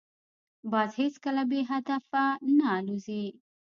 باز هیڅکله بې هدفه نه الوزي